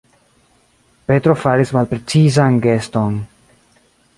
Petro faris malprecizan geston.